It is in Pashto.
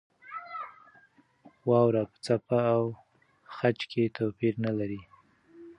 واوره په څپه او خج کې توپیر نه لري.